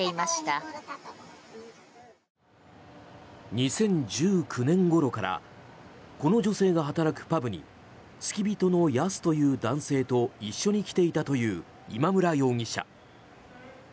２０１９年ごろからこの女性が働くパブに付き人のヤスという男性と一緒に来ていたという今村容疑者。